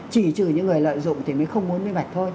chỉ trừ những người lợi dụng thì mới không muốn minh bạch thôi